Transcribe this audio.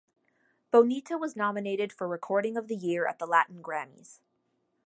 "Bonita" was nominated for Recording of the Year at the Latin Grammys.